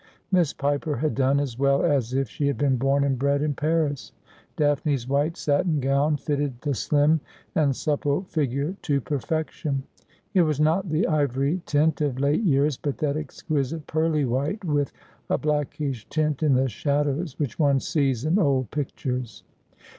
Miss Piper had done as well as if she had been born and bred in Paris. Daphne's white satin 'Al sodetiJy She s^vapt Adown to Ground.' 217 gown fitted the slim and supple figure to perfection. It was not the ivory tint of late years, but that exquisite pearly white, with a blackish tint in the shadows, which one sees in old pictures.